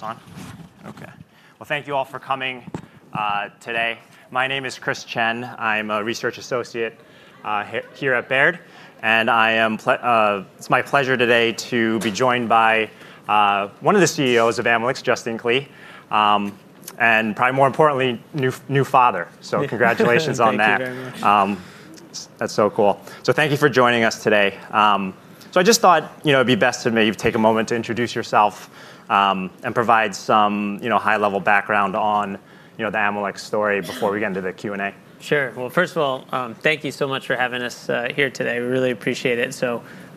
Is this on? OK. Thank you all for coming today. My name is Chris Chen. I'm a Research Associate here at Baird. It's my pleasure today to be joined by one of the CEOs of Amylyx Pharmaceuticals, Justin Klee, and probably more importantly, new father. Congratulations on that. Thank you very much. That's so cool. Thank you for joining us today. I just thought it'd be best to maybe take a moment to introduce yourself and provide some high-level background on the Amylyx Pharmaceuticals story before we get into the Q&A. Sure. First of all, thank you so much for having us here today. We really appreciate it.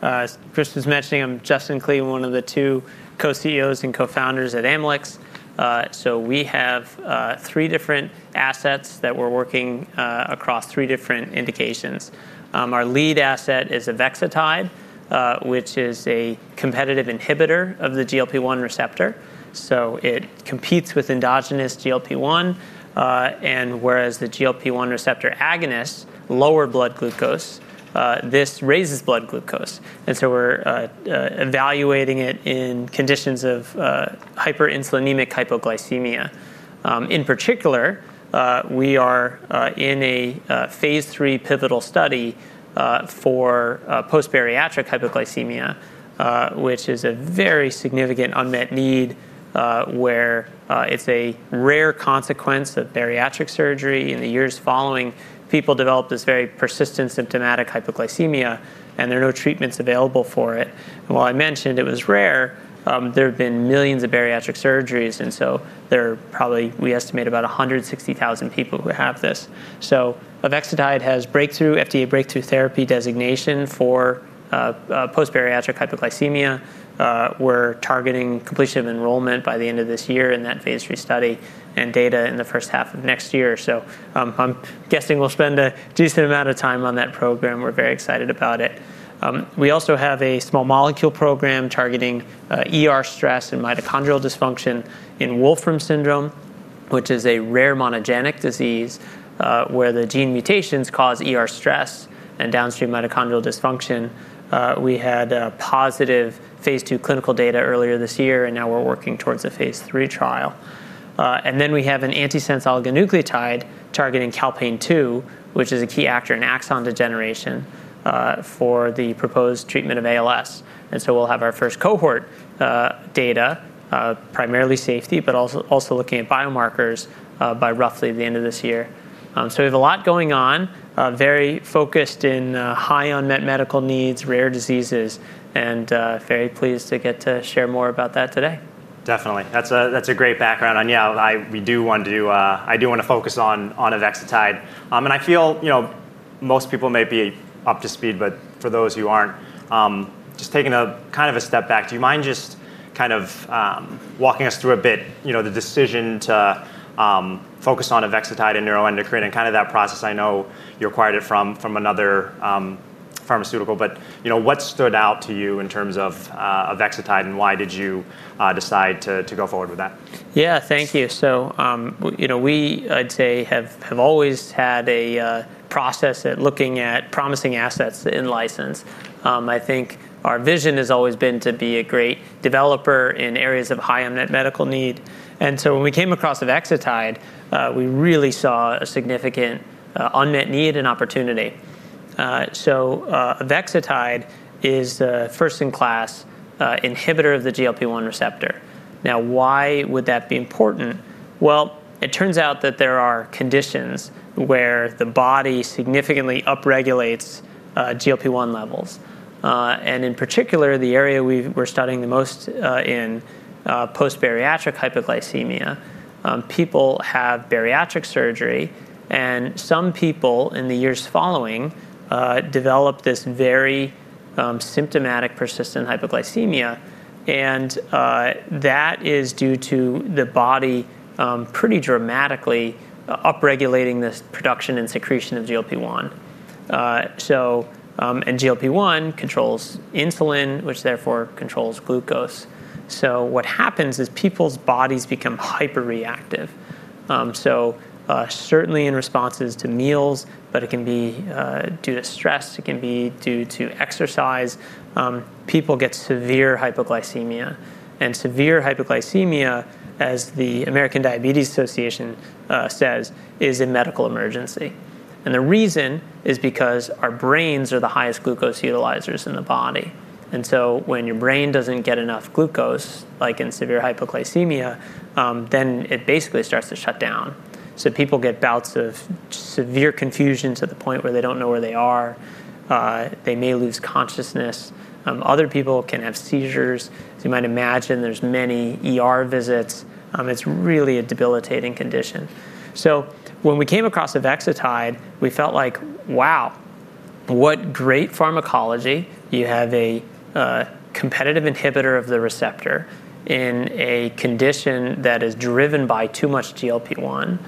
As Chris was mentioning, I'm Justin Klee, one of the two Co-CEOs and Co-Founders at Amylyx Pharmaceuticals. We have three different assets that we're working across three different indications. Our lead asset is avexitide, which is a competitive inhibitor of the GLP-1 receptor. It competes with endogenous GLP-1. Whereas the GLP-1 receptor agonists lower blood glucose, this raises blood glucose. We're evaluating it in conditions of hyperinsulinemic hypoglycemia. In particular, we are in a phase III pivotal study for post-bariatric hypoglycemia, which is a very significant unmet need, where it's a rare consequence of bariatric surgery. In the years following, people develop this very persistent symptomatic hypoglycemia, and there are no treatments available for it. While I mentioned it was rare, there have been millions of bariatric surgeries. There are probably, we estimate, about 160,000 people who have this. Avexitide has FDA Breakthrough Therapy Designation for post-bariatric hypoglycemia. We're targeting completion of enrollment by the end of this year in that phase III study and data in the first half of next year. I'm guessing we'll spend a decent amount of time on that program. We're very excited about it. We also have a small molecule program targeting stress and mitochondrial dysfunction in Wolfram syndrome, which is a rare monogenic neuroendocrine disorder where the gene mutations cause stress and downstream mitochondrial dysfunction. We had positive phase II clinical data earlier this year, and now we're working towards a phase III trial. We have an antisense oligonucleotide targeting CALPANE2, which is a key actor in axon degeneration for the proposed treatment of ALS. We'll have our first cohort data, primarily safety, but also looking at biomarkers by roughly the end of this year. We have a lot going on, very focused in high unmet medical needs, rare diseases, and very pleased to get to share more about that today. Definitely. That's a great background. We do want to focus on avexitide. I feel most people may be up to speed, but for those who aren't, just taking kind of a step back, do you mind just kind of walking us through a bit the decision to focus on avexitide in neuroendocrine and that process? I know you acquired it from another pharmaceutical. What stood out to you in terms of avexitide, and why did you decide to go forward with that? Yeah, thank you. We have always had a process at looking at promising assets in license. I think our vision has always been to be a great developer in areas of high unmet medical need. When we came across avexitide, we really saw a significant unmet need and opportunity. Avexitide is a first-in-class inhibitor of the GLP-1 receptor. Now, why would that be important? It turns out that there are conditions where the body significantly upregulates GLP-1 levels. In particular, the area we're studying the most is post-bariatric hypoglycemia. People have bariatric surgery, and some people in the years following develop this very symptomatic persistent hypoglycemia. That is due to the body pretty dramatically upregulating this production and secretion of GLP-1. GLP-1 controls insulin, which therefore controls glucose. What happens is people's bodies become hyperreactive, certainly in responses to meals, but it can be due to stress. It can be due to exercise. People get severe hypoglycemia. Severe hypoglycemia, as the American Diabetes Association says, is a medical emergency. The reason is because our brains are the highest glucose utilizers in the body. When your brain doesn't get enough glucose, like in severe hypoglycemia, then it basically starts to shut down. People get bouts of severe confusion to the point where they don't know where they are. They may lose consciousness. Other people can have seizures. As you might imagine, there's many visits. It's really a debilitating condition. When we came across avexitide, we felt like, wow, what great pharmacology. You have a competitive inhibitor of the receptor in a condition that is driven by too much GLP-1.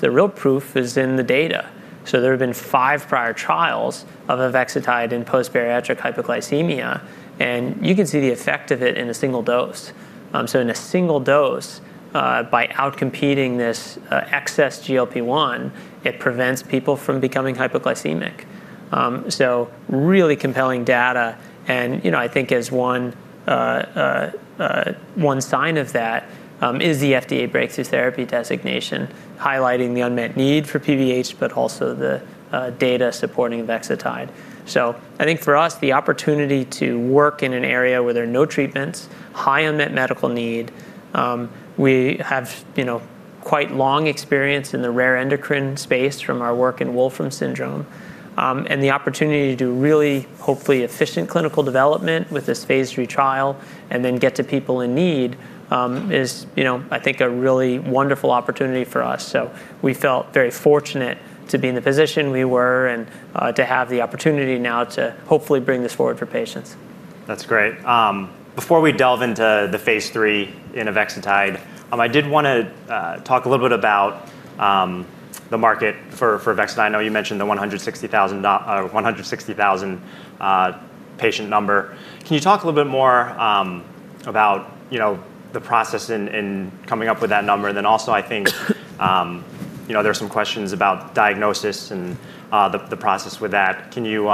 The real proof is in the data. There have been five prior trials of avexitide in post-bariatric hypoglycemia, and you can see the effect of it in a single dose. In a single dose, by outcompeting this excess GLP-1, it prevents people from becoming hypoglycemic. Really compelling data. I think one sign of that is the FDA Breakthrough Therapy Designation, highlighting the unmet need for PBH, but also the data supporting avexitide. I think for us, the opportunity to work in an area where there are no treatments, high unmet medical need, we have quite long experience in the rare endocrine space from our work in Wolfram syndrome. The opportunity to do really, hopefully, efficient clinical development with this phase III trial and then get to people in need is, I think, a really wonderful opportunity for us. We felt very fortunate to be in the position we were and to have the opportunity now to hopefully bring this forward for patients. That's great. Before we delve into the phase III in avexitide, I did want to talk a little bit about the market for avexitide. I know you mentioned the 160,000 patient number. Can you talk a little bit more about the process in coming up with that number? I think there are some questions about diagnosis and the process with that. Can you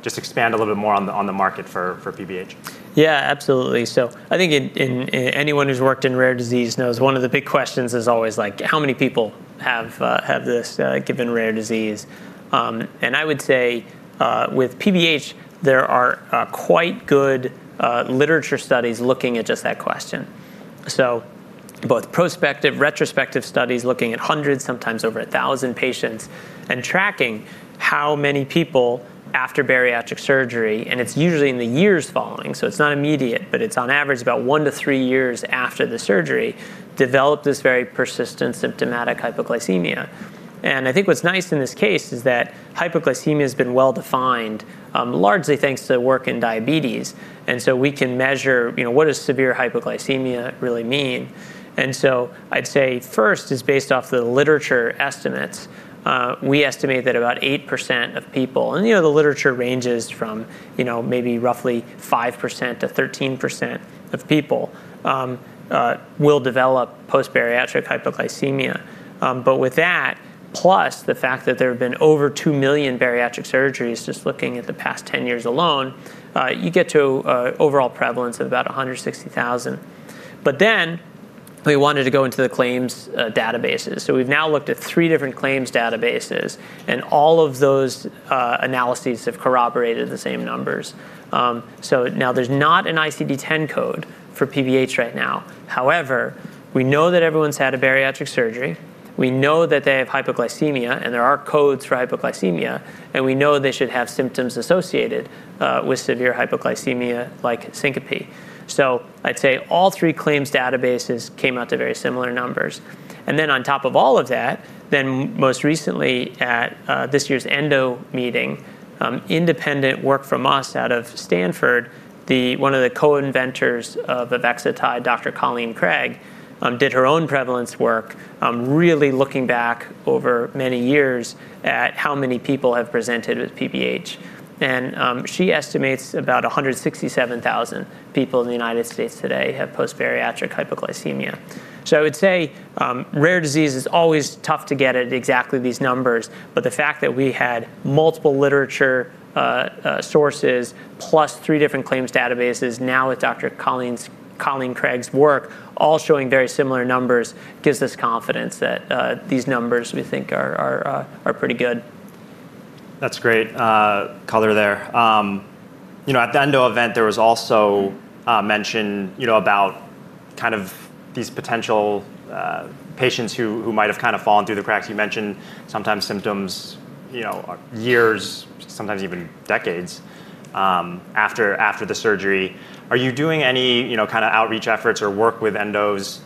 just expand a little bit more on the market for PBH? Yeah, absolutely. I think anyone who's worked in rare disease knows one of the big questions is always like, how many people have this given rare disease? I would say with PBH, there are quite good literature studies looking at just that question. Both prospective and retrospective studies looking at hundreds, sometimes over 1,000 patients and tracking how many people after bariatric surgery, and it's usually in the years following. It's not immediate, but it's on average about one to three years after the surgery, develop this very persistent symptomatic hypoglycemia. I think what's nice in this case is that hypoglycemia has been well defined, largely thanks to work in diabetes. We can measure what does severe hypoglycemia really mean. I'd say first is based off the literature estimates. We estimate that about 8% of people, and the literature ranges from maybe roughly 5% to 13% of people, will develop post-bariatric hypoglycemia. With that, plus the fact that there have been over 2 million bariatric surgeries just looking at the past 10 years alone, you get to an overall prevalence of about 160,000. We wanted to go into the claims databases. We've now looked at three different claims databases, and all of those analyses have corroborated the same numbers. Now there's not an ICD-10 code for PBH right now. However, we know that everyone's had a bariatric surgery. We know that they have hypoglycemia, and there are codes for hypoglycemia. We know they should have symptoms associated with severe hypoglycemia, like syncope. I'd say all three claims databases came out to very similar numbers. On top of all of that, most recently at this year's ENDO meeting, independent work from us out of Stanford, one of the co-inventors of avexitide, Dr. Colleen Craig, did her own prevalence work, really looking back over many years at how many people have presented with PBH. She estimates about 167,000 people in the U.S. today have post-bariatric hypoglycemia. I would say rare disease is always tough to get at exactly these numbers, but the fact that we had multiple literature sources, plus three different claims databases, now with Dr. Colleen Craig's work, all showing very similar numbers, gives us confidence that these numbers we think are pretty good. That's great color there. At the ENDO event, there was also mention about kind of these potential patients who might have kind of fallen through the cracks. You mentioned sometimes symptoms are years, sometimes even decades after the surgery. Are you doing any kind of outreach efforts or work with ENDOs?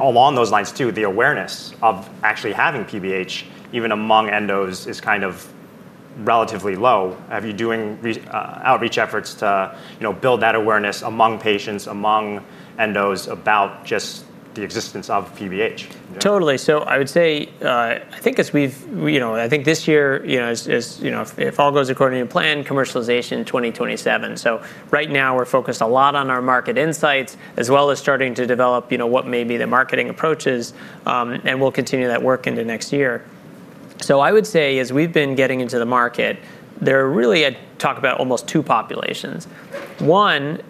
Along those lines too, the awareness of actually having PBH, even among ENDOs, is kind of relatively low. Are you doing outreach efforts to build that awareness among patients, among ENDOs, about just the existence of PBH? Totally. I would say, I think as we've, I think this year, if all goes according to plan, commercialization in 2027. Right now, we're focused a lot on our market insights, as well as starting to develop what may be the marketing approaches. We'll continue that work into next year. I would say as we've been getting into the market, there are really, I'd talk about almost two populations. One,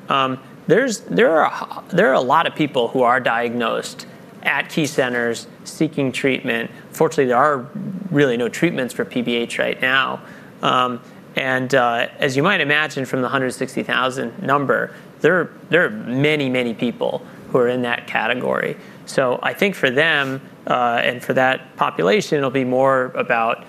there are a lot of people who are diagnosed at key centers seeking treatment. Fortunately, there are really no treatments for PBH right now. As you might imagine from the 160,000 number, there are many, many people who are in that category. I think for them and for that population, it'll be more about,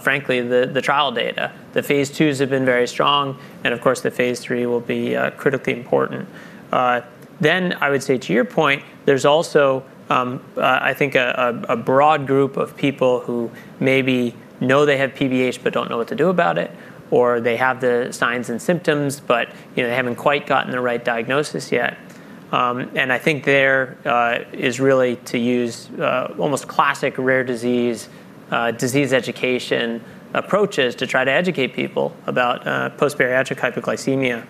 frankly, the trial data. The phase II trials have been very strong. Of course, the phase III will be critically important. To your point, there's also, I think, a broad group of people who maybe know they have PBH but don't know what to do about it, or they have the signs and symptoms, but they haven't quite gotten the right diagnosis yet. I think there is really to use almost classic rare disease education approaches to try to educate people about post-bariatric hypoglycemia.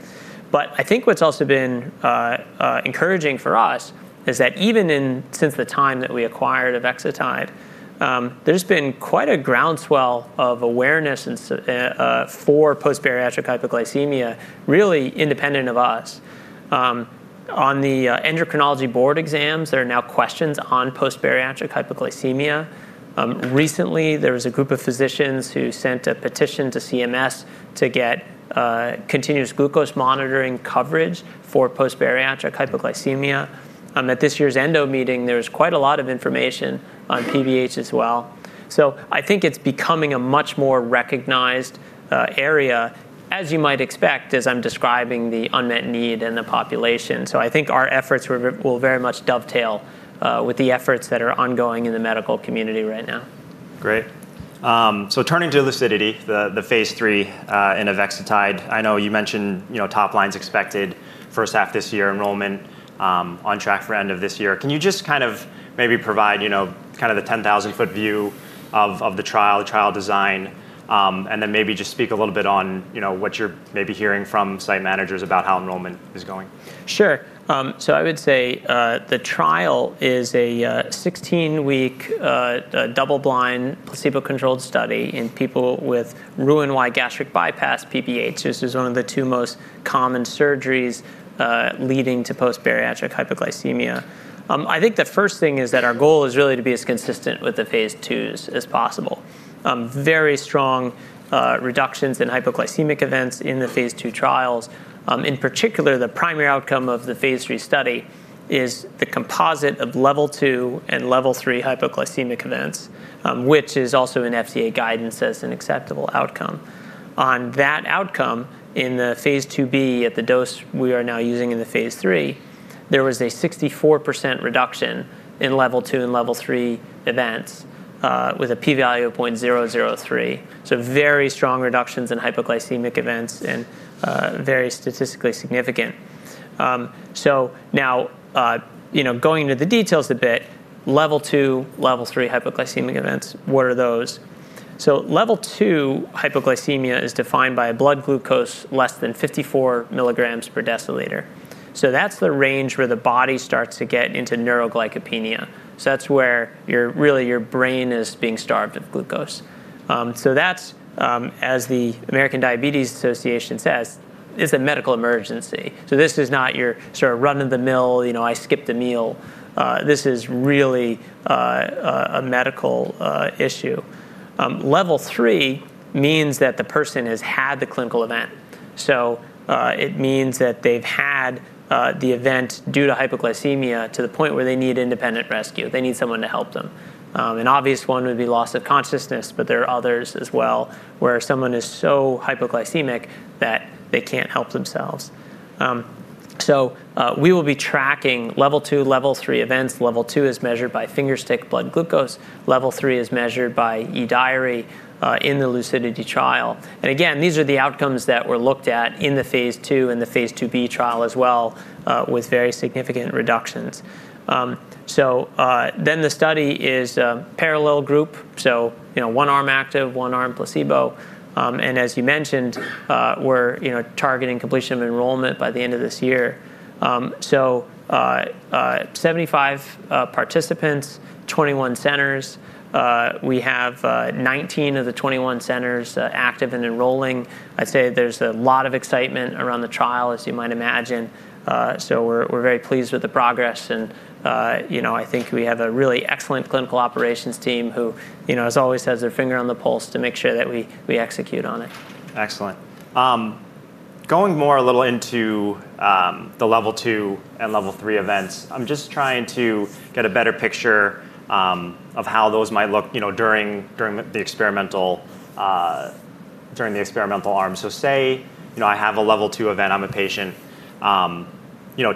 What's also been encouraging for us is that even since the time that we acquired avexitide, there's been quite a groundswell of awareness for post-bariatric hypoglycemia, really independent of us. On the endocrinology board exams, there are now questions on post-bariatric hypoglycemia. Recently, there was a group of physicians who sent a petition to CMS to get continuous glucose monitoring coverage for post-bariatric hypoglycemia. At this year's ENDO meeting, there was quite a lot of information on PBH as well. I think it's becoming a much more recognized area, as you might expect, as I'm describing the unmet need in the population. I think our efforts will very much dovetail with the efforts that are ongoing in the medical community right now. Great. Turning to LUCIDITY, the phase III in avexitide, I know you mentioned top line is expected first half this year, enrollment on track for end of this year. Can you just maybe provide the 10,000-foot view of the trial, trial design, and then maybe just speak a little bit on what you're hearing from site managers about how enrollment is going? Sure. I would say the trial is a 16-week double-blind placebo-controlled study in people with Roux-en-Y gastric bypass PBH, which is one of the two most common surgeries leading to post-bariatric hypoglycemia. I think the first thing is that our goal is really to be as consistent with the phase IIs as possible. Very strong reductions in hypoglycemic events in the phase II trials. In particular, the primary outcome of the phase III study is the composite of level II and level III hypoglycemic events, which is also in FDA guidance as an acceptable outcome. On that outcome, in the phase IIb at the dose we are now using in the phase III, there was a 64% reduction in level II and level III events with a p-value of 0.003. Very strong reductions in hypoglycemic events and very statistically significant. Now going into the details a bit, level II, level III hypoglycemic events, what are those? Level II hypoglycemia is defined by a blood glucose less than 54 milligrams per deciliter. That's the range where the body starts to get into neuroglycopenia. That's where really your brain is being starved of glucose. As the American Diabetes Association says, it is a medical emergency. This is not your sort of run-of-the-mill, you know, I skipped a meal. This is really a medical issue. Level III means that the person has had the clinical event. It means that they've had the event due to hypoglycemia to the point where they need independent rescue. They need someone to help them. An obvious one would be loss of consciousness. There are others as well where someone is so hypoglycemic that they can't help themselves. We will be tracking level II, level III events. Level II is measured by fingerstick blood glucose. Level III is measured by eDiary in the lucidity trial. These are the outcomes that were looked at in the phase II and the phase IIb trial as well, with very significant reductions. The study is a parallel group. One arm active, one arm placebo. As you mentioned, we're targeting completion of enrollment by the end of this year. Seventy-five participants, 21 centers. We have 19 of the 21 centers active and enrolling. I'd say there's a lot of excitement around the trial, as you might imagine. We're very pleased with the progress. I think we have a really excellent clinical operations team who, as always, has their finger on the pulse to make sure that we execute on it. Excellent. Going more a little into the level II and level III events, I'm just trying to get a better picture of how those might look during the experimental arm. Say I have a level II event, I'm a patient.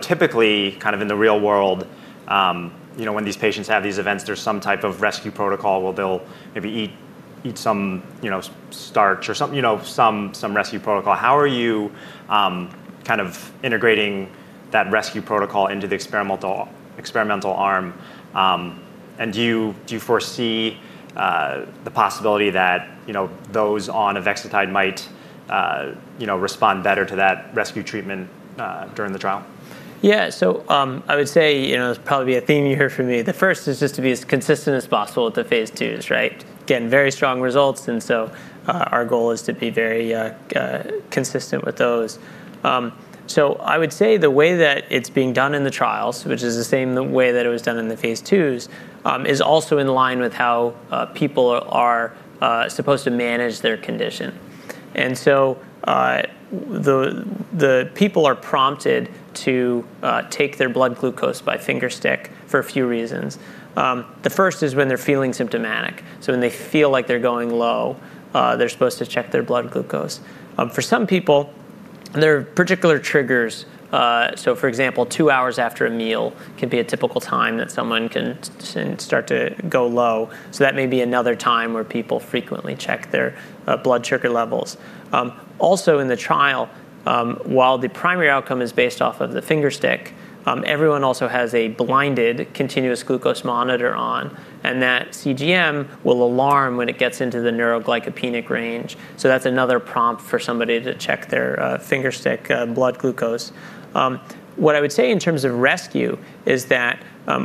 Typically, kind of in the real world, when these patients have these events, there's some type of rescue protocol where they'll maybe eat some starch or some, you know, some rescue protocol. How are you kind of integrating that rescue protocol into the experimental arm? Do you foresee the possibility that those on avexitide might respond better to that rescue treatment during the trial? Yeah. I would say it'll probably be a theme you hear from me. The first is just to be as consistent as possible with the phase IIs. Again, very strong results. Our goal is to be very consistent with those. I would say the way that it's being done in the trials, which is the same way that it was done in the phase IIs, is also in line with how people are supposed to manage their condition. The people are prompted to take their blood glucose by fingerstick for a few reasons. The first is when they're feeling symptomatic. When they feel like they're going low, they're supposed to check their blood glucose. For some people, there are particular triggers. For example, two hours after a meal can be a typical time that someone can start to go low. That may be another time where people frequently check their blood sugar levels. Also, in the trial, while the primary outcome is based off of the fingerstick, everyone also has a blinded continuous glucose monitor on. That CGM will alarm when it gets into the neuroglycopenic range. That's another prompt for somebody to check their fingerstick blood glucose. What I would say in terms of rescue is that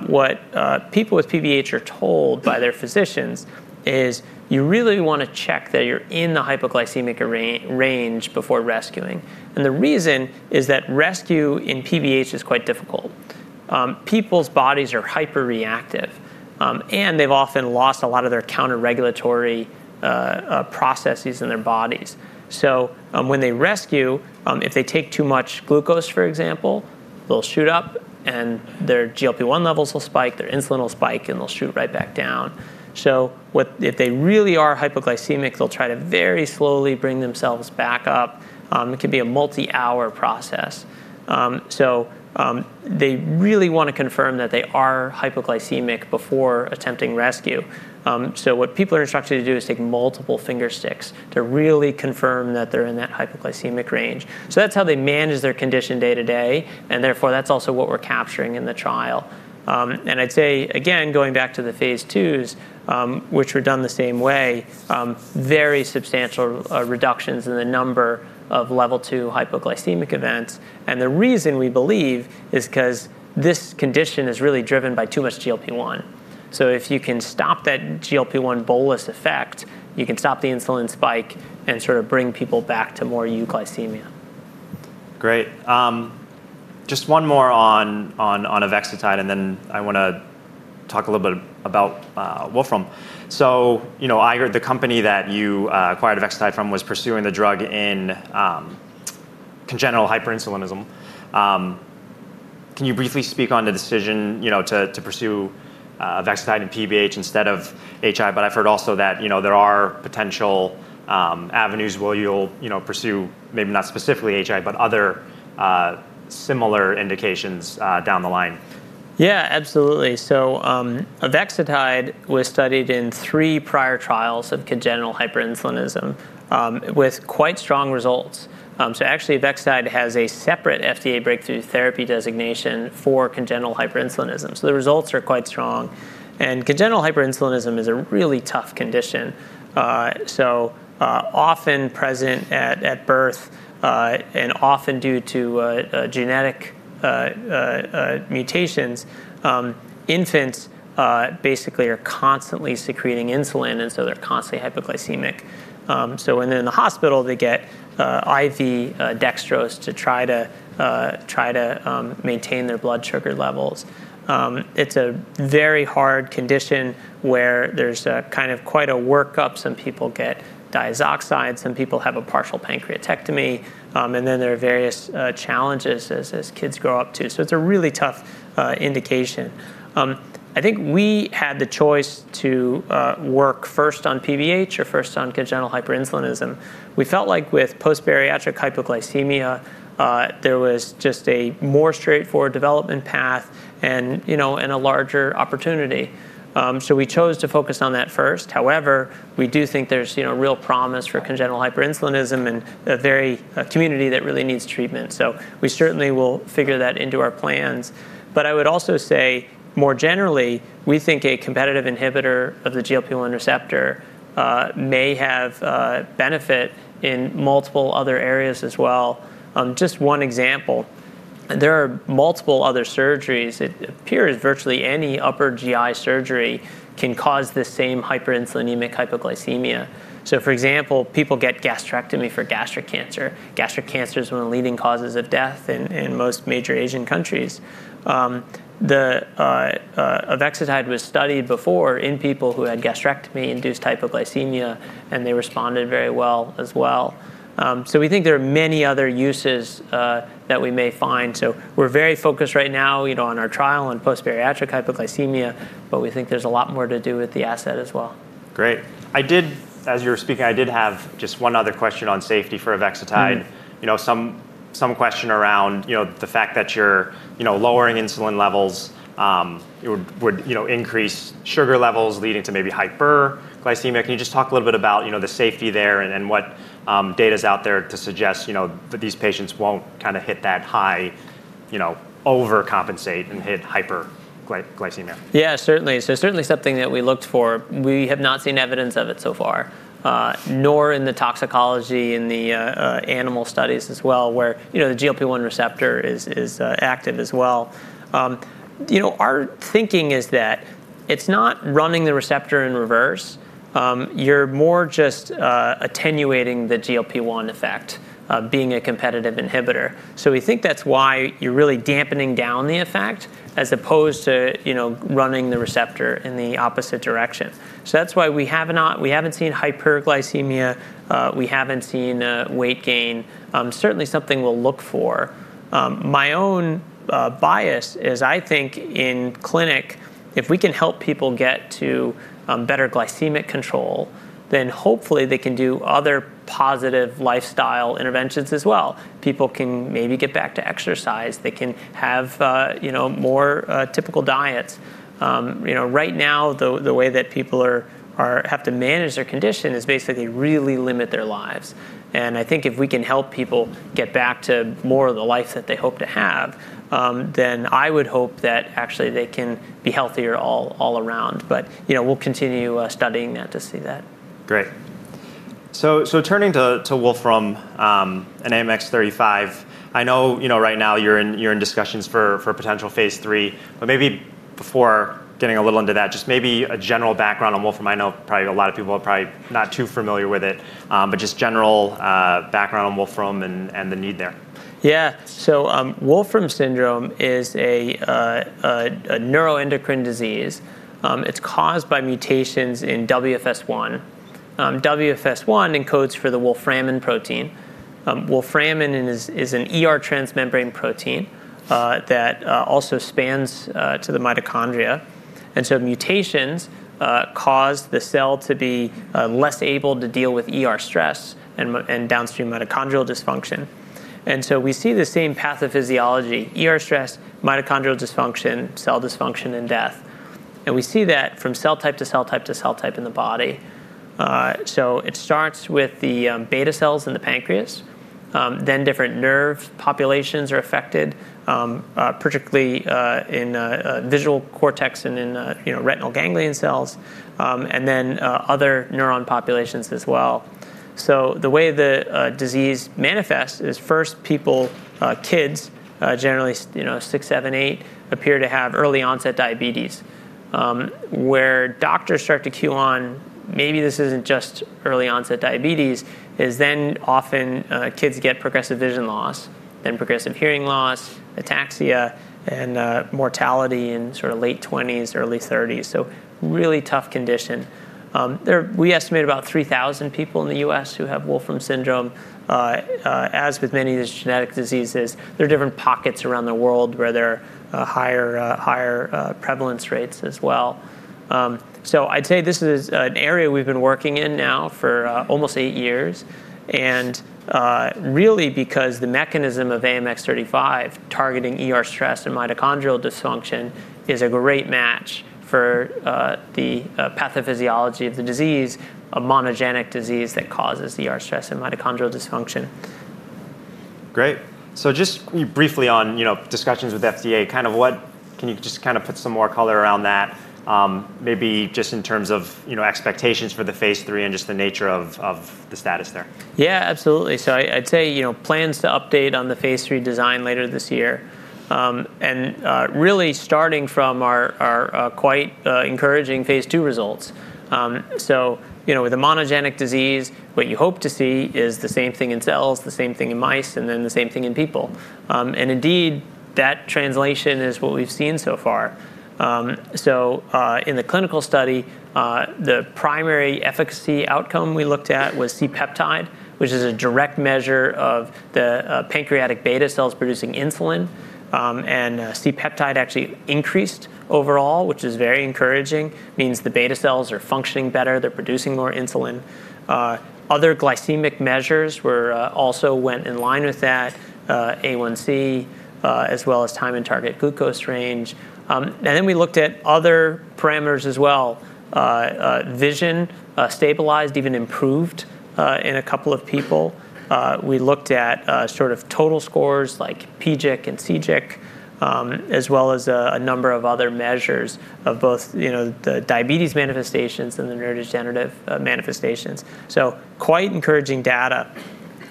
what people with PBH are told by their physicians is you really want to check that you're in the hypoglycemic range before rescuing. The reason is that rescue in PBH is quite difficult. People's bodies are hyperreactive. They've often lost a lot of their counterregulatory processes in their bodies. When they rescue, if they take too much glucose, for example, they'll shoot up. Their GLP-1 levels will spike. Their insulin will spike. They'll shoot right back down. If they really are hypoglycemic, they'll try to very slowly bring themselves back up. It could be a multi-hour process. They really want to confirm that they are hypoglycemic before attempting rescue. What people are instructed to do is take multiple fingersticks to really confirm that they're in that hypoglycemic range. That's how they manage their condition day to day. Therefore, that's also what we're capturing in the trial. I'd say, again, going back to the phase IIs, which were done the same way, very substantial reductions in the number of level II hypoglycemic events. The reason we believe is because this condition is really driven by too much GLP-1. If you can stop that GLP-1 bolus effect, you can stop the insulin spike and sort of bring people back to more euglycemia. Great. Just one more on avexitide. I want to talk a little bit about Wolfram. I heard the company that you acquired avexitide from was pursuing the drug in congenital hyperinsulinism. Can you briefly speak on the decision to pursue avexitide in PBH instead of HI? I've heard also that there are potential avenues where you'll pursue maybe not specifically HI, but other similar indications down the line. Yeah, absolutely. Avexitide was studied in three prior trials of congenital hyperinsulinism with quite strong results. Avexitide has a separate FDA Breakthrough Therapy Designation for congenital hyperinsulinism. The results are quite strong, and congenital hyperinsulinism is a really tough condition. It often presents at birth and is often due to genetic mutations. Infants basically are constantly secreting insulin, and they're constantly hypoglycemic. When they're in the hospital, they get IV dextrose to try to maintain their blood sugar levels. It's a very hard condition where there's quite a workup. Some people get diazoxide, some people have a partial pancreatectomy, and then there are various challenges as kids grow up too. It's a really tough indication. I think we had the choice to work first on PBH or first on congenital hyperinsulinism. We felt like with post-bariatric hypoglycemia, there was just a more straightforward development path and a larger opportunity, so we chose to focus on that first. However, we do think there's real promise for congenital hyperinsulinism and a community that really needs treatment. We certainly will figure that into our plans. I would also say more generally, we think a competitive inhibitor of the GLP-1 receptor may have benefit in multiple other areas as well. Just one example, there are multiple other surgeries. It appears virtually any upper GI surgery can cause the same hyperinsulinemic hypoglycemia. For example, people get gastrectomy for gastric cancer. Gastric cancer is one of the leading causes of death in most major Asian countries. Avexitide was studied before in people who had gastrectomy-induced hypoglycemia, and they responded very well as well. We think there are many other uses that we may find. We're very focused right now on our trial on post-bariatric hypoglycemia, but we think there's a lot more to do with the asset as well. Great. As you were speaking, I did have just one other question on safety for avexitide. Some question around the fact that you're lowering insulin levels would increase sugar levels, leading to maybe hyperglycemia. Can you just talk a little bit about the safety there and what data is out there to suggest that these patients won't kind of hit that high, overcompensate, and hit hyperglycemia? Yeah, certainly. Certainly something that we looked for. We have not seen evidence of it so far, nor in the toxicology in the animal studies as well, where the GLP-1 receptor is active as well. Our thinking is that it's not running the receptor in reverse. You're more just attenuating the GLP-1 effect, being a competitive inhibitor. We think that's why you're really dampening down the effect, as opposed to running the receptor in the opposite direction. That's why we haven't seen hyperglycemia. We haven't seen weight gain. Certainly something we'll look for. My own bias is I think in clinic, if we can help people get to better glycemic control, then hopefully they can do other positive lifestyle interventions as well. People can maybe get back to exercise. They can have more typical diets. Right now, the way that people have to manage their condition is basically really limit their lives. I think if we can help people get back to more of the life that they hope to have, then I would hope that actually they can be healthier all around. We'll continue studying that to see that. Great. Turning to Wolfram and AMX0035, I know right now you're in discussions for potential phase III. Maybe before getting a little into that, just a general background on Wolfram. I know probably a lot of people are probably not too familiar with it. Just general background on Wolfram and the need there. Yeah. Wolfram syndrome is a neuroendocrine disease. It's caused by mutations in WFS1. WFS1 encodes for the wolframin protein. Wolframin is a transmembrane protein that also spans to the mitochondria. Mutations cause the cell to be less able to deal with stress and downstream mitochondrial dysfunction. We see the same pathophysiology, stress, mitochondrial dysfunction, cell dysfunction, and death. We see that from cell type to cell type to cell type in the body. It starts with the beta cells in the pancreas. Different nerve populations are affected, particularly in the visual cortex and in retinal ganglion cells, and other neuron populations as well. The way the disease manifests is first, people, kids generally six, seven, eight, appear to have early-onset diabetes. Where doctors start to cue on maybe this isn't just early-onset diabetes is then often kids get progressive vision loss, then progressive hearing loss, ataxia, and mortality in sort of late 20s, early 30s. Really tough condition. We estimate about 3,000 people in the U.S. who have Wolfram syndrome. As with many of these genetic diseases, there are different pockets around the world where there are higher prevalence rates as well. I'd say this is an area we've been working in now for almost eight years. Really, because the mechanism of AMX0035 targeting stress and mitochondrial dysfunction is a great match for the pathophysiology of the disease, a monogenic disease that causes stress and mitochondrial dysfunction. Great. Just briefly on discussions with FDA, can you put some more color around that, maybe in terms of expectations for the phase III and the nature of the status there? Yeah, absolutely. I'd say plans to update on the phase III design later this year. Really starting from our quite encouraging phase II results. With a monogenic disease, what you hope to see is the same thing in cells, the same thing in mice, and then the same thing in people. Indeed, that translation is what we've seen so far. In the clinical study, the primary efficacy outcome we looked at was C-peptide, which is a direct measure of the pancreatic beta cells producing insulin. C-peptide actually increased overall, which is very encouraging. It means the beta cells are functioning better. They're producing more insulin. Other glycemic measures also went in line with that, A1C, as well as time in target glucose range. We looked at other parameters as well. Vision stabilized, even improved in a couple of people. We looked at total scores like PGIC and CGIC, as well as a number of other measures of both the diabetes manifestations and the neurodegenerative manifestations. Quite encouraging data.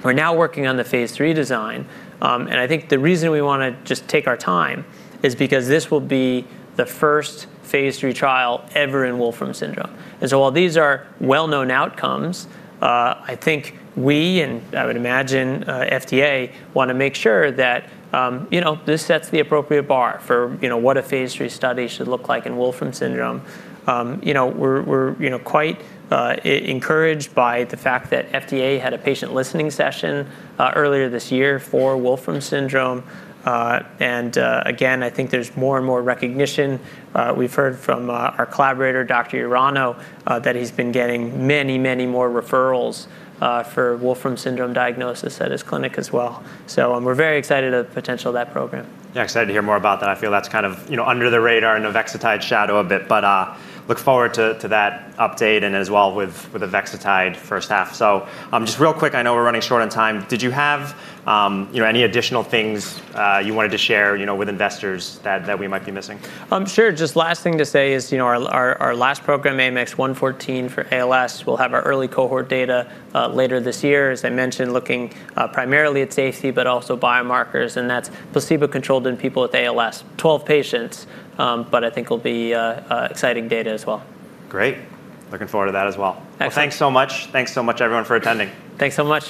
We're now working on the phase III design. The reason we want to just take our time is because this will be the first phase III trial ever in Wolfram syndrome. While these are well-known outcomes, I think we, and I would imagine FDA, want to make sure that this sets the appropriate bar for what a phase III study should look like in Wolfram syndrome. We're quite encouraged by the fact that FDA had a patient listening session earlier this year for Wolfram syndrome. I think there's more and more recognition. We've heard from our collaborator, Dr. Irano, that he's been getting many, many more referrals for Wolfram syndrome diagnosis at his clinic as well. We're very excited about the potential of that program. Yeah, excited to hear more about that. I feel that's kind of under the radar in the avexitide shadow a bit. I look forward to that update and as well with avexitide first half. Just real quick, I know we're running short on time. Did you have any additional things you wanted to share with investors that we might be missing? Sure. Just last thing to say is our last program, AMX0114 for ALS, will have our early cohort data later this year. As I mentioned, looking primarily at safety, but also biomarkers. That is placebo-controlled in people with ALS, 12 patients. I think it'll be exciting data as well. Great. Looking forward to that as well. Excellent. Thank you so much. Thank you so much, everyone, for attending. Thanks so much.